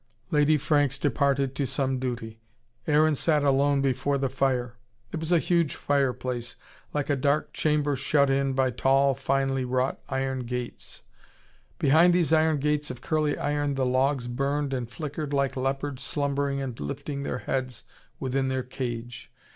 Lady Franks departed to some duty. Aaron sat alone before the fire. It was a huge fireplace, like a dark chamber shut in by tall, finely wrought iron gates. Behind these iron gates of curly iron the logs burned and flickered like leopards slumbering and lifting their heads within their cage.